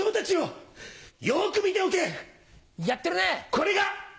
これが。